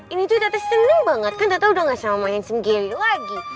ini tuh tata seneng banget kan tata udah gak sama handsome gary lagi